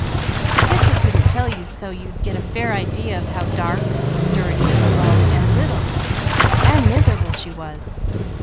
I guess I couldn't tell you so you'd get a fair idea of how dark, dirty, alone, and little, and miserable she was.